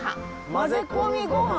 混ぜ込みごはん！